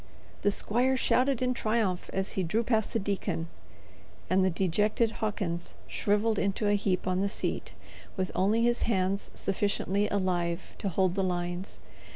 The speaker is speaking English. The squire shouted in triumph as he drew past the deacon, and the dejected Hawkins shrivelled into a heap on the seat, with only his hands sufficiently alive to hold the lines.